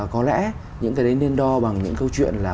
có lẽ những cái đấy nên đo bằng những câu chuyện là